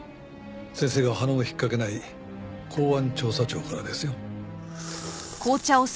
先生がはなも引っかけない公安調査庁からですよ。